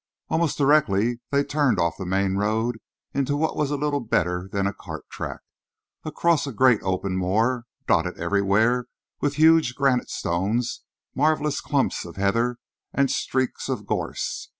Almost directly they turned off the main road into what was little better than a cart track, across a great open moor, dotted everywhere with huge granite stones, marvellous clumps of heather and streaks of gorse.